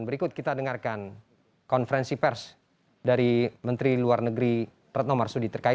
pelaku perjalanan luar negeri